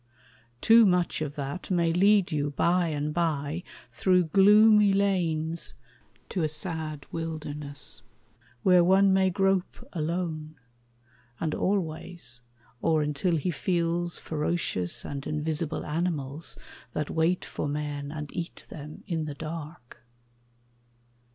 Too much of that May lead you bye and bye through gloomy lanes To a sad wilderness, where one may grope Alone, and always, or until he feels Ferocious and invisible animals That wait for men and eat them in the dark.